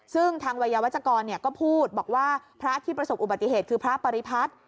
ซึ่งทางวัยวจกรก็พูดบอกว่าพระที่ประสบอุบัติเหตุคือพระปริพัฒน์